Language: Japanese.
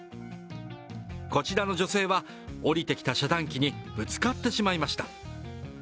こちらの女性は下りてきた遮断機にぶつかってしまいました。